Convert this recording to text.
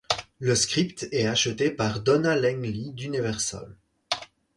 Le script est acheté par Donna Langley d'Universal.